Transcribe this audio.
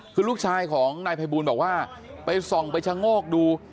คือลูกชายของนายภัยบูลบอกว่าไปส่องไปชะโงกดู